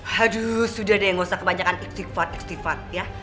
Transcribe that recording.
haduh sudah deh gak usah kebanyakan istighfar istighfar ya